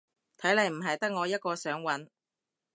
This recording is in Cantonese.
睇嚟唔係得我一個想搵